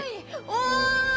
おい！